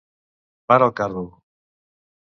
Para el carro!